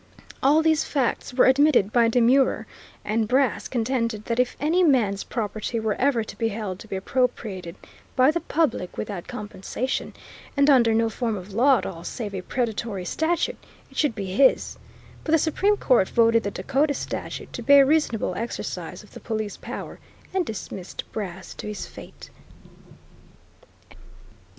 All these facts were admitted by demurrer, and Brass contended that if any man's property were ever to be held to be appropriated by the public without compensation, and under no form of law at all save a predatory statute, it should be his; but the Supreme Court voted the Dakota statute to be a reasonable exercise of the Police Power, and dismissed Brass to his fate.